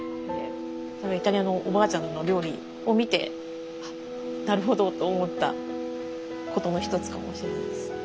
イタリアのおばあちゃんの料理を見てなるほどと思ったことの一つかもしれないです。